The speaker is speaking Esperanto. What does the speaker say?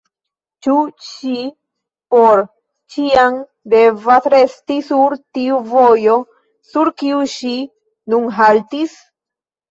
Ĉu ŝi por ĉiam devas resti sur tiu vojo, sur kiu ŝi nun haltis?